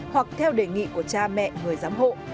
hoặc theo đề nghị của cha mẹ người giám hộ